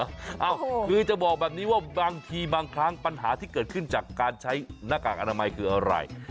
เอ้าคือจะบอกแบบนี้ว่าบางทีบางครั้งปัญหาที่เกิดขึ้นจากการใช้หน้ากากอนามัยคืออะไร